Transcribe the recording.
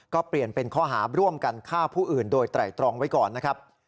ก็เปลี่ยนเป็นข้อหาร่วมกันฆ่าผู้อื่นโดยไตรตรองไว้ก่อนนะครับ